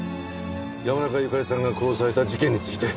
山中由佳里さんが殺された事件について。